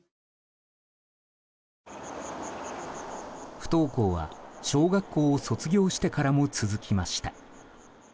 不登校は、小学校を卒業してからも続きました。